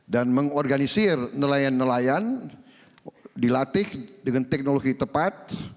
dan mengorganisir nelayan nelayan dilatih dengan teknologi tepat